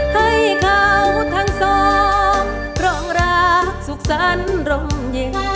ไปมาหนาจอแม้ลง